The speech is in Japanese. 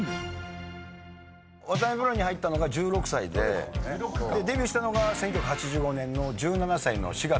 渡辺プロに入ったのが１６歳でデビューしたのが１９８５年の１７歳の４月で。